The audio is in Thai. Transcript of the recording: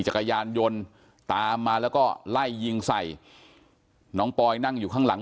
จักรยานยนต์ตามมาแล้วก็ไล่ยิงใส่น้องปอยนั่งอยู่ข้างหลัง